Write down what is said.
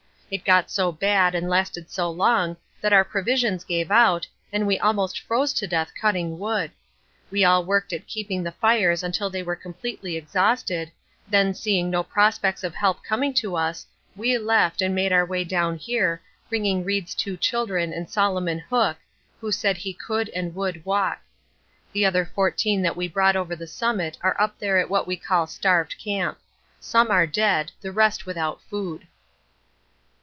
It got so bad and lasted so long that our provisions gave out, and we almost froze to death cutting wood. We all worked at keeping the fires until we were completely exhausted, then seeing no prospects of help coming to us, we left, and made our way down here, bringing Reed's two children and Solomon Hook, who said he could and would walk. The other fourteen that we brought over the summit are up there at what we call Starved Camp. Some are dead, the rest without food."